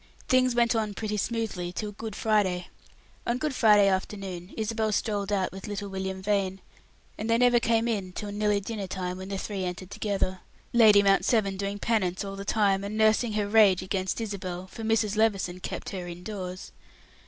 Things went on pretty smoothly till Good Friday. On Good Friday afternoon, Isabel strolled out with little William Vane; Captain Levison joined them, and they never came in till nearly dinner time, when the three entered together, Lady Mount Severn doing penance all the time, and nursing her rage against Isabel, for Mrs. Levison kept her indoors.